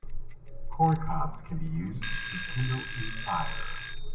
Corn cobs can be used to kindle a fire.